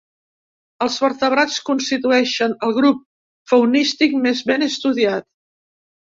Els vertebrats constitueixen el grup faunístic més ben estudiat.